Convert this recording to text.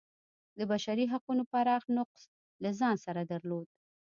د بشري حقونو پراخ نقض له ځان سره درلود.